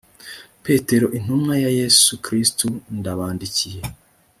petero intumwa ya yesu kristo ndabandikiye